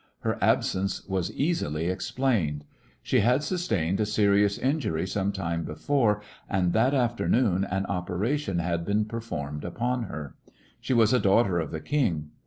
Her absence was easily explained. She had sustained a serious injury some time before, and that afternoon an operation had been performed upon her. She was a Daughter of the King.